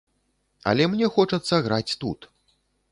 Але мне хочацца граць тут.